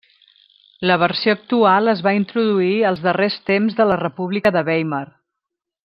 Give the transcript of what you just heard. La versió actual es va introduir als darrers temps de la República de Weimar.